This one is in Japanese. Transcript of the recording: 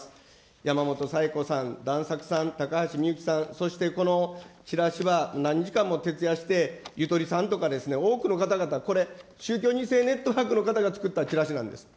やまもとさえこさん、だんさくさん、たかはしみゆきさん、そしてこのチラシは何時間も徹夜して、ゆとりさんとかですね、多くの方々、これ、宗教２世ネットワークの方が作ったチラシなんです。